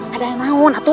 ada yang naun atau